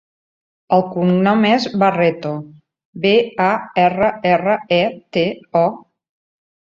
El cognom és Barreto: be, a, erra, erra, e, te, o.